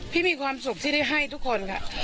มีความสุขที่ได้ให้ทุกคนค่ะ